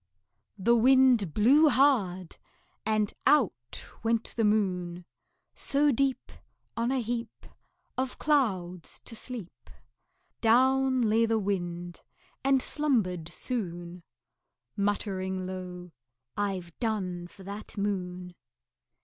The Wind blew hard, and out went the Moon. So deep, On a heap Of clouds, to sleep, Down lay the Wind, and slumbered soon Muttering low, "I've done for that Moon."